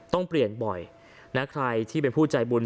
ต้องเปลี่ยนบ่อยนะใครที่เป็นผู้ใจบุญ